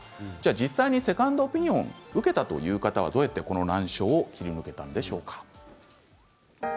実際にセカンドオピニオンを受けた人はどうやってこの難所を切り抜けたんでしょうか。